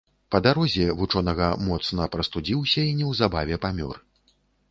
Па дарозе вучонага моцна прастудзіўся і неўзабаве памёр.